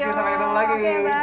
thank you sampai ketemu lagi